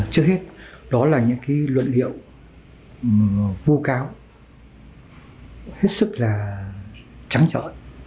trước hết đó là những luận liệu vô cáo hết sức là trắng trở